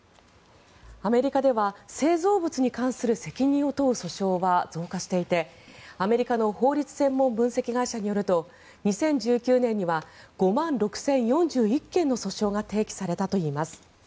アメリカでは製造物に関する責任を問う訴訟は増加していてアメリカの法律専門分析会社によると２０１９年には５万６０４１件の訴訟が提起されたといいます。